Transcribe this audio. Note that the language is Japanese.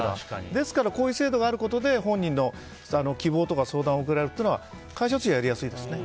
ですからこういう制度があることで、本人の希望とか相談を受けられるのは会社としてはやりやすいですね。